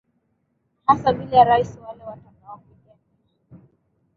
na hasa vile rais wale watakaopigania